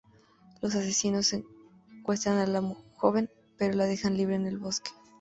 Los asesinos secuestran a la joven, pero la dejan libre en el bosque.